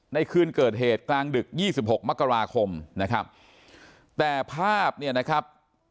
ในคืนเกิดเหตุกลางดึกยี่สิบหกมกราคมนะครับแต่ภาพเนี่ยนะครับ